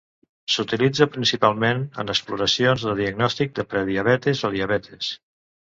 S'utilitza principalment en exploracions de diagnòstic de prediabetis o diabetis.